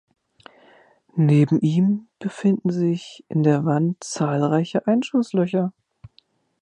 Neben ihm befinden sich in der Wand zahlreiche Einschusslöcher.